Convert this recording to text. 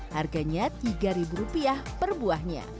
harganya tiga rupiah per buahnya